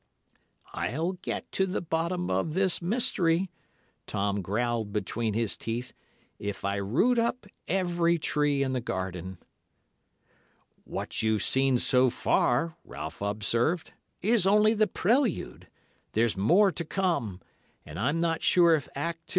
"'I'll get to the bottom of this mystery,' Tom growled between his teeth, 'if I root up every tree in the garden.' "'What you've seen so far,' Ralph observed, 'is only the prelude. There's more to come, and I'm not sure if Act II.